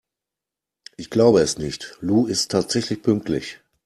Ich glaube es nicht, Lou ist tatsächlich pünktlich!